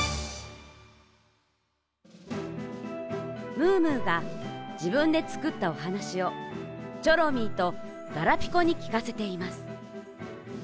ムームーがじぶんでつくったおはなしをチョロミーとガラピコにきかせています。